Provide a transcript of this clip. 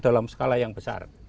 dalam skala yang besar